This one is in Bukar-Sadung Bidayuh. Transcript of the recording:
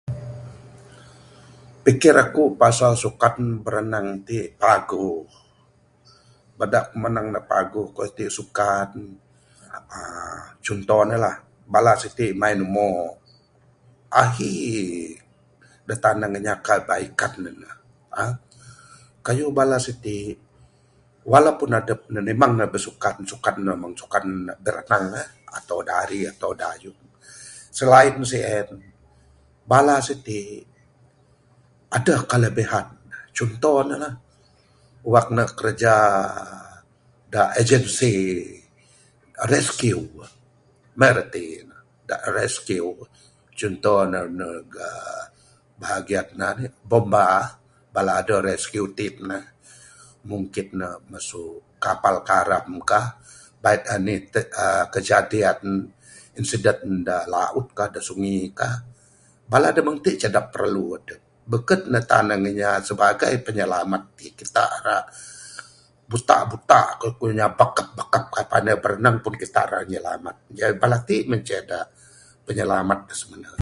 Pikir aku pasal sukan biranang ti paguh, bada ku manang ne paguh kayuh ti sukan uhh cuntoh ne lah bala siti main umo ahi da tanang inya kebaikan ne uhh kayuh bala siti walaupun adep ne memang ne bersukan sukan ne meng sukan biranang la atau dari atau dayung. Selain sien bala siti adeh kelebihan ne cuntoh ne la. Wang ne kiraja da agency rescue maih rati ne. Rescue cuntoh ne uhh bahagian anih bomba. Bala da rescue team ne mungkin ne masu kapal karam ka bait anih uhh kejadian incident da laut ka da sukan ka da sungi ka. Bala da meng ti ce da perlu adep beken ne tanang inya sibagai penyelamat ti kita ra buta buta kayuh kuan inya bakap bakap nyam pun ra nyilamat ne. Bala ti manceh da penyelamat da simene